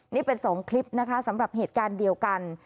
นี่เป็น๒คลิปนะคะสำหรับเหตุการณ์เดียวกัน